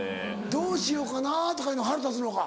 「どうしようかな」とかいうの腹立つのか？